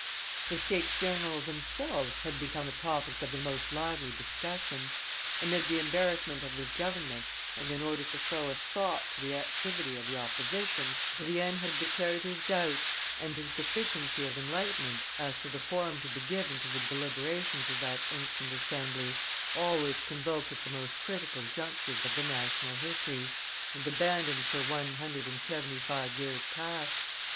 The States general themselves had become a topic of the most lively discussion. Amid the embarrassment of his government, and in order to throw a sop to the activity of the opposition, Brienne had declared his doubts and his deficiency of enlightenment as to the form to be given to the deliberations of that ancient assembly, always convoked at the most critical junctures of the national history, and abandoned for one hundred and seventy five years past.